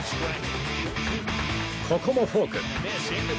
ここもフォーク。